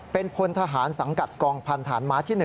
เป็นพลทหารสังกัดกองพันธานม้าที่๑